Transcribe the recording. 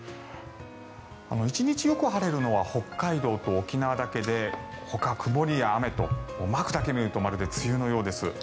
１日よく晴れるのは北海道と沖縄だけでほか、曇りや雨とマークだけで見るとまるで梅雨のようです。